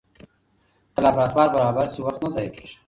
که لابراتوار برابر سي، وخت نه ضایع کېږي.